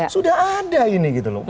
sudah ada ini gitu loh